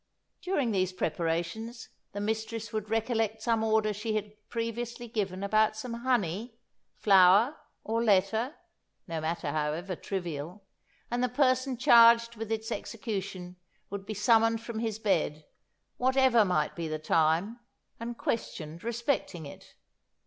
During these preparations the mistress would recollect some order she had previously given about some honey, flower, or letter no matter however trivial and the person charged with its execution would be summoned from his bed, whatever might be the time, and questioned respecting it.